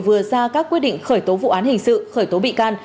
vừa ra các quyết định khởi tố vụ án hình sự khởi tố bị can